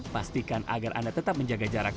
pastikan agar anda tetap menjaga jarak